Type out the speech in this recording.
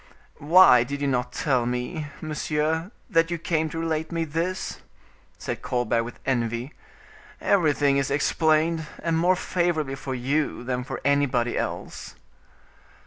"Why did you not tell me, monsieur, that you came to relate me this?" said Colbert with envy; "everything is explained, and more favorably for you than for anybody else."